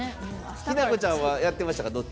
日奈子ちゃんはやってましたか？